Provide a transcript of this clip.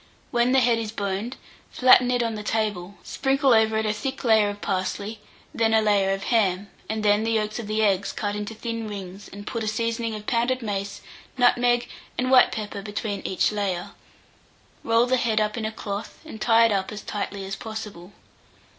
When the head is boned, flatten it on the table, sprinkle over it a thick layer of parsley, then a layer of ham, and then the yolks of the eggs cut into thin rings and put a seasoning of pounded mace, nutmeg, and white pepper between each layer; roll the head up in a cloth, and tie it up as tightly as possible.